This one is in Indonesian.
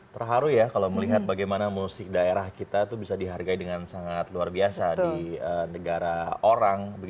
terharu ya kalau melihat bagaimana musik daerah kita itu bisa dihargai dengan sangat luar biasa di negara orang